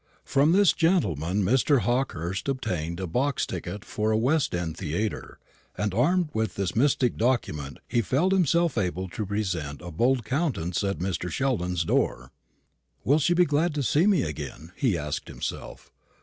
From this gentleman Mr. Hawkehurst obtained a box ticket for a West end theatre; and, armed with this mystic document, he felt himself able to present a bold countenance at Mr. Sheldon's door. "Will she be glad to see me again?" he asked himself.